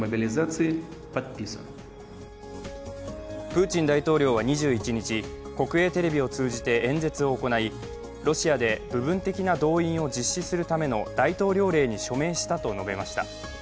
プーチン大統領は２１日、国営テレビを通じて演説を行いロシアで部分的な動員を実施するための大統領令に署名したと述べました。